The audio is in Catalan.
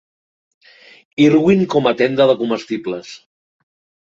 Irwin com a tenda de comestibles.